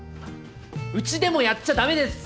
うちでもやっちゃ駄目です！